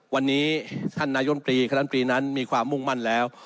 วันนี้ท่านนายมกีท่านนายจงกรีนั้นมีความมุ่งมั่นแล้ว